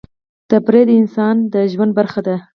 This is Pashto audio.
تفریح د انسان د ژوند برخه ده.